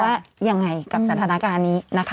ว่ายังไงกับสถานการณ์นี้นะคะ